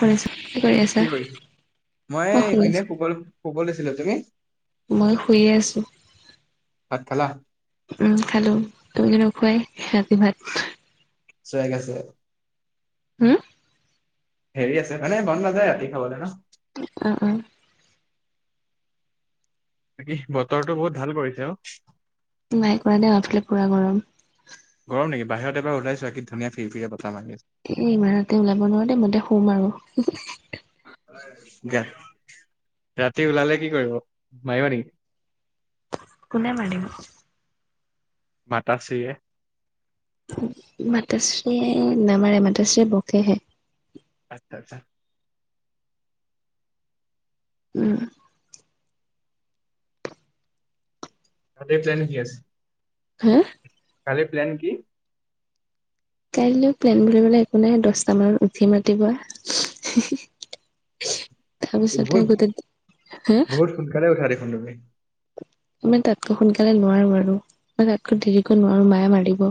কৰিছ কি কৰি আছা কি কৰিছা? মই শুই এনে শুব শুব লৈছিলো, তুমি আছো মই শুইয়ে আছো ভাত খালা? উম খালো তুমি য নো খুৱাই ৰাতি ভাত চুৱেগ আছে উম হেৰি আছে মানে মন ন যায় আতি খাবলৈ ন অ অ বাকি বতৰটো বহুত ভাল কৰিছে অ নাই কৰা দে আমাৰফালে পুৰা গৰম গৰম নেকি বাহিৰত এবাৰ উলাইছোৱা কি ধুনীয়া ফিৰ ফিৰা এ ইমানতে ওলাব নোৱাৰ দে মতে শুম আৰু গা ৰাতি ওলালে কি কৰিব মাৰিবা নেকি? কোনে মাৰিব মাতা শ্ৰীয়ে মাতাশ্ৰীয়ে নামাৰে মাতাশ্ৰীয়ে বকেহে আচ্ছা আচ্ছা উম। তাতে প্লেন কি আছে? হুম কালি প্লেন কি? কাইলৈ প্লেন বুলিবলৈ একো নাই দহট মানত উঠিম ৰাতিপুৱা? এই বহুত তাৰপিছত গোটেই হা থালোৱে মই তাতকৈ সোনকালে নোৱাৰো আৰু ম তাতকৈ দেৰিকৈ নোৱাৰো মায়ে মাৰিব।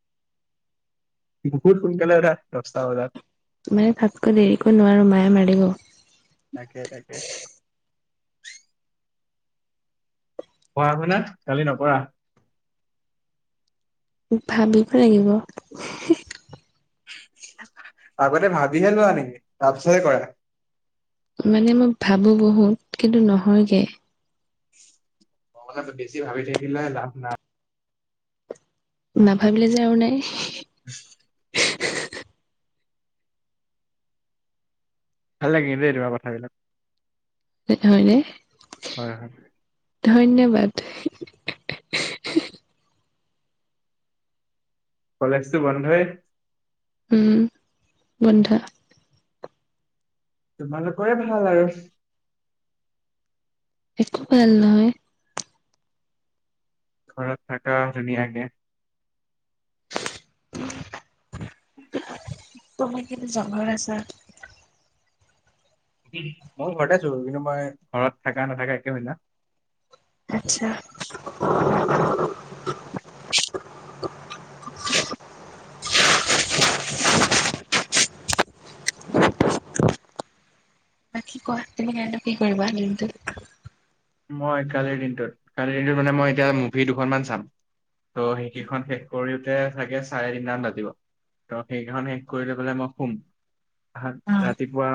[unintelligible] বহুত সোনকালে ৰাতি দহটা বজাত ত মানে তাতকৈ দেৰিকৈ নোৱাৰো মায়ে মাৰিব তাকে তাকে। পোৱা হয় না কালি নকৰা ভাবিব লাগিব আগতে ভাবিহে লোৱা নেকি তাৰপিছতহে কৰা। মানে মই ভাবো বহুত কিন্তু নহয়গে। অকলে বেছি ভাবি থাকিলে লাভ নাই। নাভাবিলে যে আৰু নাই। উম ভাল লাগে দেই তোমাৰ কথাবিলাক হয়নে? হয় হয়। ধন্যবাদ কলেজটো বন্ধই উম বন্ধ তোমালোকৰে ভাল আৰু একো ভাল নহয় ঘৰত থাকা ধুনীয়াকে। তুমি কিন্তু জংঘল আছা। মই ঘৰতে আছো কিন্তু মই ঘৰত থাকা নাথাকা একে হয় না। আচ্ছা। [unintelligible] [unintelligible] [unintelligible] বাকী কোৱা তুমি আজি কি কৰিবা দিনটোত? মই কালিৰ দিনটোত কালিৰ দিনটোত মানে মই এতিয়া মুভি দুখনমান চাম। ত' সেইকেইখন শেষ কৰোতে চাগে চাৰে তিনটা মান বাজিব। ত সেইখনখন শেষ কৰি লৈ পেলাই মই শুম তাত অ ৰাতিপুৱা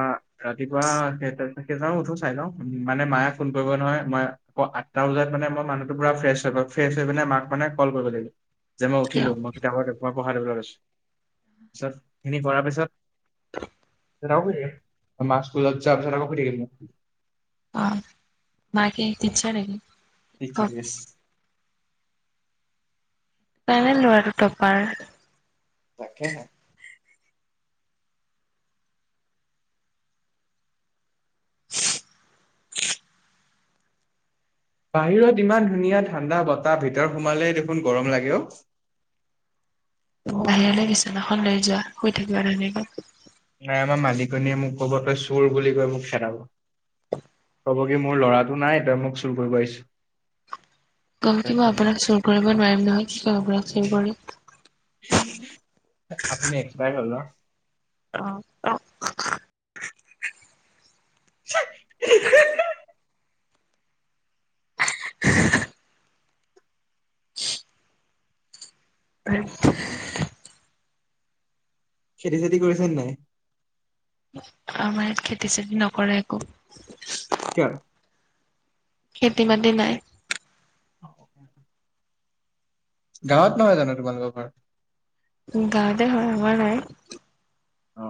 ৰাতিপুৱা কেই কেইটামানত উঠো চাই লও মানে মায়ে ফোন কৰিব নহয়। মই আঠটা বজাত মানে মই মানুহটো পুৰা ফ্ৰেছ হৈ লও। ফ্ৰেছ হৈ কিনে মাক মানে কল কৰিব লাগিব। যে মই কিয় উঠিলোঁ মই কিতাপ মই পঢ়া টেবুলত আছোঁ। পিছত সেইখিনি কৰাৰ পিছত মা স্কুলত যোৱা পিছত আকৌ শুই থাকিম। অ মা কি টিচ্ছাৰ‌ নেকি? অ টিচ্ছাৰ‌ য়েচ। তাৰে ল'ৰাটো টপাৰ। তাকেহে। বাহিৰত ইমান ধুনীয়া ঠাণ্ডা বতাহ ভিতৰ সোমালেই দেখোন গৰম লাগেও। বাহিৰলৈ বিছনাখন লৈ যোৱা শুই থাকিবা ধুনীয়াকে। নাই আমাৰ মালিকনীয়ে মোক কব তই চোৰ বুলি কৈ মোক খেলাব। ক'ব কি মোৰ ল'ৰাটো নাই তই মোক চুৰ কৰিব আহিছ। গম কি মই আপোনাক চুৰ কৰিব নোৱাৰিম নহয়। কি কৰিম আপোনাক চুৰ কৰি আপুনি এক্সপায়াৰ হ'ল ন। অ অ। ছাক [inaudible] হয়। খেতি চেতি কৰিছানে নাই? আমাৰ ইয়াত খেতি চেতি নকৰে একো। কিয়? খেতি বাতি নাই। অ। গাঁৱত নহয় জানো তোমালোকৰ ঘৰ। গাওতে হয় আমাৰ নাই। অ।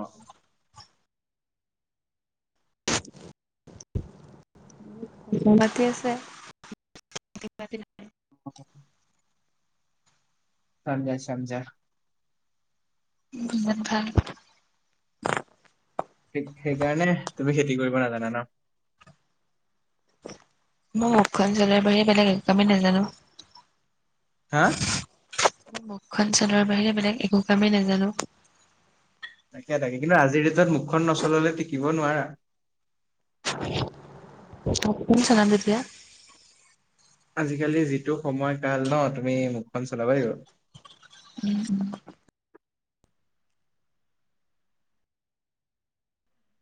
[inaudible] মাটি আছে, খেতি মাটি নাই। অ। সমজা সমজা। বুজাত ভাল। সেইকাৰণে তুমি খেতি কৰিব নাজানা ন। মই মুখখন চলোৱাৰ বাহিৰে বেলেগ একো কামেই নাজানো। হা? মুখখন চলোৱাৰ বাহিৰে বেলেগ একো কামেই নাজানো। তাকে তাকে কিন্তু আজিৰ ডেটত মুখখন নচলালে টিকিব নোৱাৰা। [unintelligible] আজিকালি যিটো সময় কাল ন তুমি মুখখন চলাবই লাগিব। উম উম।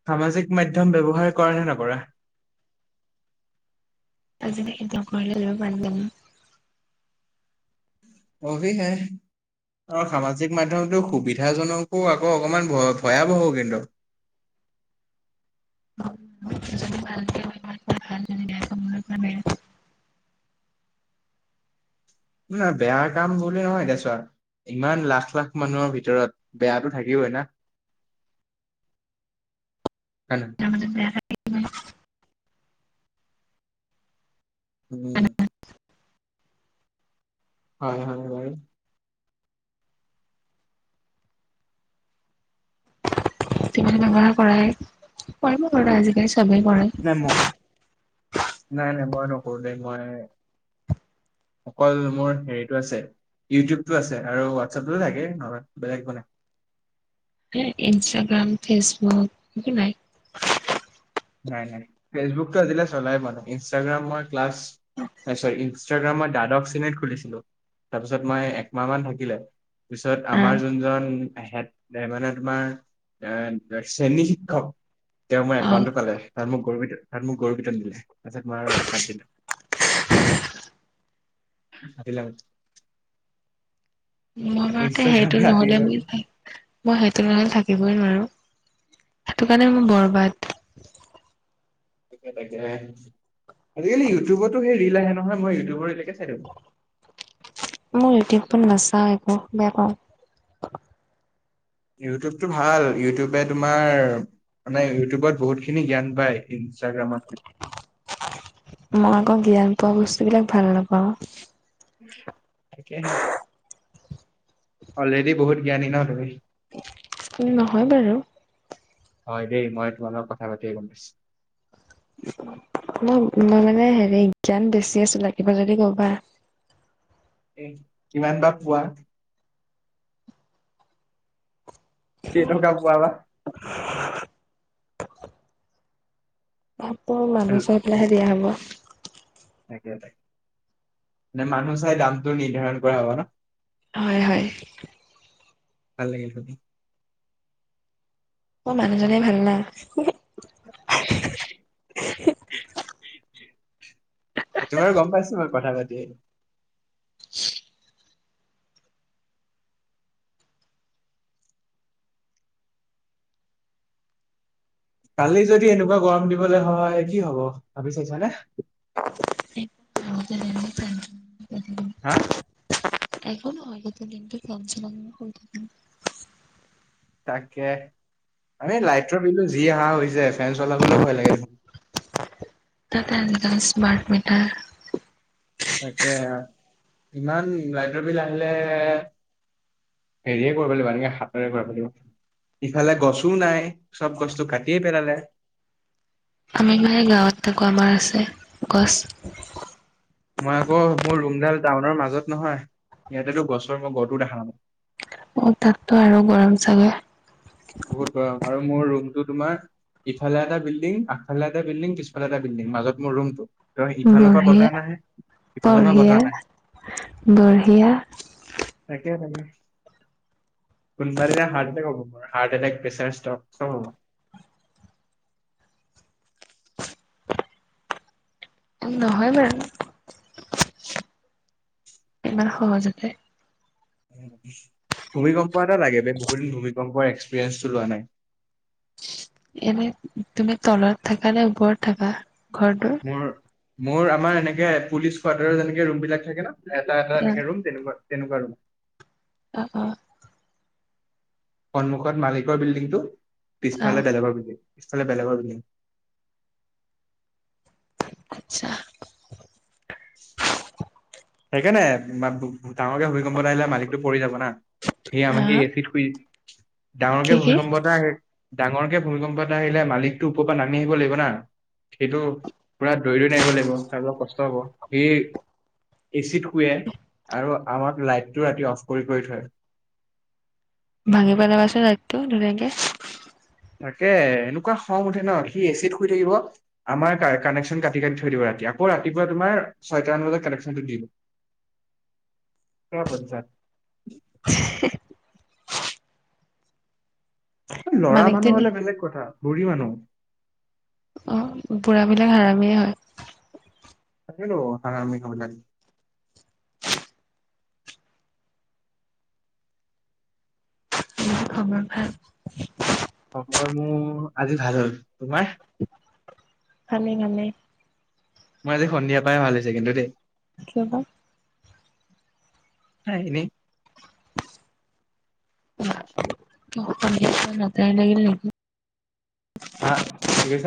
সামাজিক মাধ্যম ব্যৱহাৰ কৰানে নকৰা? আ এতি কলল বানো [unintelligible] অভি হে অ সামাজিক মাধ্যয়মতো সুবিধাজনকো আকৌ অকমান ভয় ভয়াৱহো কিন্তু [unintelligible] বেয়া কৰিবলৈ পৰা নাই। ন বেয়া কাম বুলি নহয় এতিয়া ছোৱা, ইমান লাখ লাখ মানুহৰ ভিতৰত বেয়াতটো থাকিবই না [inaudible] হ ন মানে বেয়া লাগে উম হয় হয় ভাই বেমাৰ কৰাই কৰিব আজিকালি চবেই কৰে নাই ম নাই নাই মই নকৰো দেই মই অকল মোৰ হেৰিতটো আছে ইউটিউবতটো আছে আৰু হোৱাটছএপটো থাকে নহ বেলেগ বনে হ ইনষ্টাগ্ৰাম ফেচবুক একো নাই নাই নাই ফেচবুকতটো আজিলে চলাই মানে ইনষ্টাগ্ৰামৰ ক্লাছ চ ইনষ্টাগ্ৰামই দাদশ শ্ৰেনীত খুলিছিলো তাৰপিছত মই একমাহ মান থাকিলে। পিছত আমাৰ যোনজন মানে তোমাৰ এ শ্ৰেণী শিক্ষক তেওঁ মই অ একাউণ্টত পালে তাত মোক গৰু পিতন তাত মোক গৰু পিতন দিলে তাৰপাছত তোমাৰ তাত দিলো আবিল [unintelligible] যাওঁতে সেইটো নহলে মই মই সেইটো নহলে থাকিবই নোৱাৰো। সেইটো কাৰণে মোৰ বৰবাদ তাকে আজিকালি ইউটিউবতো লাহে নহয় মই ইউটিউবৰ এলেকে চাই থো মোৰ ইউটিউবত নাচাওঁ একো বেয়া পাওঁ। ইউটিউবতটো ভাল ইউটিউবে তোমাৰ মানে ইউটিউবত বহুতখিনি জ্ঞান পায়। ইনষ্টাগ্ৰামত মই আকৌ জ্ঞান পোৱা বস্তুবিলাক ভাল নাপাওঁ তাকে হে অলৰেডি বহুত জ্ঞানী নহ তুমি উ নহয় বাৰু হয় দেই মই তোমালোক কথা পাতিয়ে গম পাইছো উ [inaudible] মই মই মানে হেৰি জ্ঞান বেছি আছো লাগিবা যদি কবা। এ কিমান বা পুৱা কেইটকা পোৱা বা কাপোৰ মানুহ চাই পেলাই হে‌ দিয়া হ'ব। তাকে তাকে মানে মানু চাই দামটো নিৰ্ধাৰণ কৰা হব ন জলখমন হয় হয় ভাল লাগিলে অ মানুহজনে ভাল না [unintelligible] সেইটো বাৰু গম পাইছো মই কথা পাতিয়ে [inaudible] কালি যদি এনেকুৱা গৰম দিবলৈ হয় কি হব ভাবি চাইছানে। উ [unintelligible] হা আগ দু দিনক চঞ্চাল কৰি থ [unintelligible] তাকে আৰে লাইটৰ বিল যি অহা হৈছে ফেন চলাবলৈ ভয় লাগে দেখোন। ততে এিক স্মাৰ্ট মিটাৰ তাকে ইমান লাইনৰ বিল আহিলে। হেৰিয়ে কৰিব লাগিব এনেকে হাতৰে কৰিব লাগিব। ইফালে গছো নাই চব গছটো কাটিয়ে পেলালে আমি মানে গাঁৱত থাকোঁ আমাৰ আছে গছ মই আকৌ মোৰ ৰুমডাল টাউনৰ মাজত নহয় ইিহতেতো গছৰ মই গডটো দেখা নো অ তাততো আৰু গৰম চাগে বহুত গৰম আৰু মোৰ ৰুমটো তোমাৰ। ইফালে এটা বিল্ডিং আগফালে এটা বিল্ডিং পিছালে এটা বিল্ডিং মাজত মোৰ ৰুমটো তই ইফালৰ পৰা বঢ়িয়া বতাহ নাহে ইফালৰ পৰা বঢ়িয়া বতাহ নাহে বঢ়িয়া। তাকে তাকে কোনোবা এদিনা হাৰ্ট‌এটেক হব। হাৰ্ট এটেক প্ৰেছাৰ ষ্টক চব হ'ব। নহয় বাৰু ইমান সহজতে ভূমিকম্প এটা লাগে বে বহুত দিন ভূমিকম্পৰ এক্সপিৰিয়েঞ্চটো লোৱা নাই। [unintelligible] এনে তুমি তলত থাক নে ওপৰত থাকা ঘৰটোৰ মোৰ মোৰ আমাৰ এনেকে পুলিচ কোৱাৰ্টাৰ যেনেকে ৰুম বিলাক থাকে ন এটা এটা এনেক অ', ৰুম তেনেকুৱা তেনেকুৱা ৰোম। অ অ সন্মুখত মালিকৰ বিল্ডিংটো পিছফালে অ', বেলেগৰ বিল্ডিং পিছফালে বেলেগৰ বিল্ডিং আতছা [unintelligible] এনে ডাঙৰকে ভূমিকম্প এটা আহিলে মালিকটো পৰি যাব না হা সি এচিট শুই ডাঙৰকে কি কি? ভূমিকম্প এটা আহে। ডাঙৰকে ভূমিকম্প এ আহিলে মালিকটো ওপৰ পৰা নামি আহিব লাগিব না সেইটো। পোৰা দৌৰি দৌৰি নামিব লাগিব তাৰ অলপ কষ্ট হব সি এচিত শুৱে আৰু আমাক লাইটটো ৰাতি অফ কৰি কৰি থয় ভাঙি পেলাবাচোন লাইটটো ধুনীয়াকে তাকে এনেকুৱা খং উঠে ন সি এচিট শুই থাকিব আমাৰ কানেকশচন কাটি কাটি থৈ দিব ৰাতি আকৌ ৰাতিপুৱা তোমাৰ ছয়ট মান বজাত কানেকশ্যনটো দিব। [inaudible] [unintelligible] লৰা মানিক মানুহ তেনে হলে বেলেগ কথা বুঢ়ী মানুহ অ বুঢ়াবিলাক হৰামিয়ে হয়। তাকে টো হাৰামি ঘৰ বিলাক। খবৰ ভাল খবৰ মোৰ আজি ভাল হ'ল তোমাৰ। ভালে ভালে। মোৰ আজি সন্ধিয়া পা ভাল হৈছে কিন্তু দেই। কিয় বা [unintelligible] সন্ধিয়া লটাৰী লাগিল নেকি? হা কি কৈছ?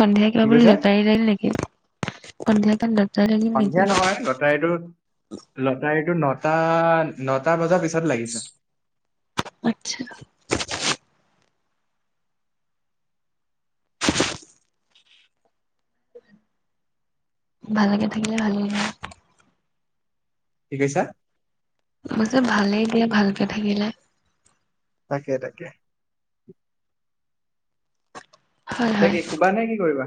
সন্ধিয়া কিবা বুলি লটাৰী নেকি সন্ধিয়া কন ল সন্ধিয়া নহয় লটাৰীটো লটাৰীটো নটা নটা বজাৰ পি তাত লাগিছে। আচ্ছা ভালেকে থাকিলে ভালেই ন'। কি কৈছা? মই যে ভালেই দিয়া, ভালকে থাকিলে। তাকে - তাকে। হয় - এতিয়া হয়। কি শুবা নে কি কৰিবা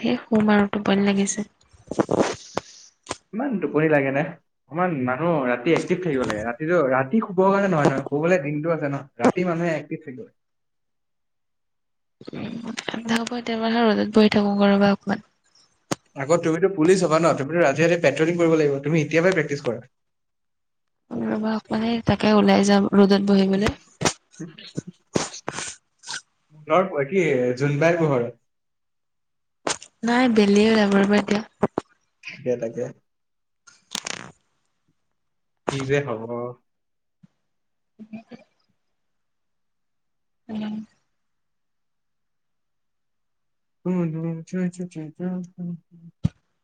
সেই শুম আৰু, টোপনি লাগিছে। [unintelligible] ইমান টোপনি লাগে নে? অকমান মানুহ ৰাতি এক্টিভ থাকিব লাগে। ৰাতিটো- ৰাতি শুবৰ কাৰণে নহয়, নহয়। শুবলে দিনটো আছে ন'? ৰাতি মানুহে এক্টিভ থাকিব লাগে। [inaudible] আধা [unintelligible] এতিয়া মানে ৰ'দত বহি থাকো ক'ৰবাত অকমান। আকৌ তুমিতো পুলিচ হবা ন'? তুমিতো ৰাতি - ৰাতি পেট্ৰলিং কৰিব লাগিব। তুমি এতিয়াৰ পৰাই প্ৰেক্টিছ কৰা। ৰ'বা অকমান, তাকে ওলাই যাও ৰ'দত বহিবলে। জোনৰ- কি, জোনবাই পোহৰত। নাই, বেলিয়ে ওলাব ৰ'বা এতিয়া। তাকে - তাকে। কি যে হব? [unintelligible]